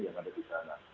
yang ada di sana